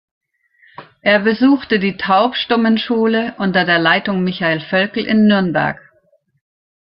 Er besuchte die Taubstummenschule unter der Leitung Michael Völkel in Nürnberg.